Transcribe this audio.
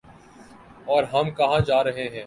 اورہم کہاں جارہے ہیں؟